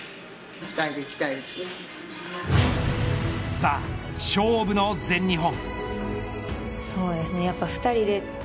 さあ、勝負の全日本。